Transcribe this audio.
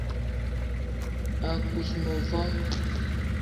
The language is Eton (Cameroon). A kuz mevo